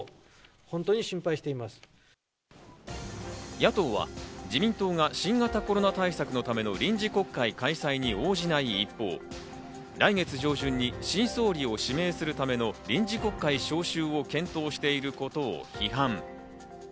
野党は、自民党が新型コロナ対策のための臨時国会開催に応じない一方、来月上旬に新総理を指名するための臨時国会召集を検討していることを批判。